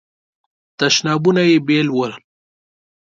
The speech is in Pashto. تشنابونه یې بیل ول.